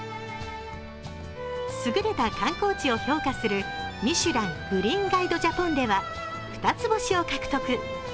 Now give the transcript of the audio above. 優れた観光地を評価する「ミシュラン・グリーンガイド・ジャポン」では二つ星を獲得。